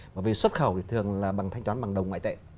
bởi vì xuất khẩu thì thường là bằng thanh toán bằng đồng ngoại tệ